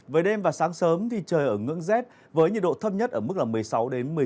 với đêm và sáng sớm thì trời ở ngưỡng rét với nhiệt độ thấp nhất ở mức một mươi sáu một mươi chín